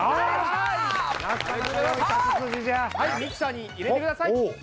はいミキサーに入れてください。